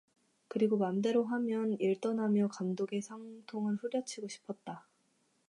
그리고 맘대로 하면 일떠나며 감독의 상통을 후려치고 싶었다.